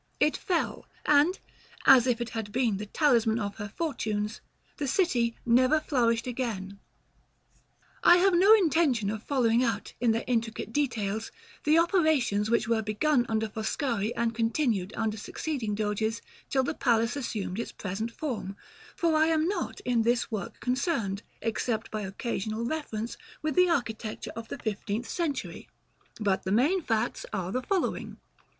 It fell; and, as if it had been the talisman of her fortunes, the city never flourished again. § XXVI. I have no intention of following out, in their intricate details, the operations which were begun under Foscari and continued under succeeding Doges till the palace assumed its present form, for I am not in this work concerned, except by occasional reference, with the architecture of the fifteenth century: but the main facts are the following.